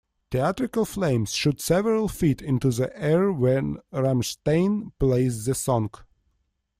Theatrical flames shoot several feet into the air when Rammstein plays the song.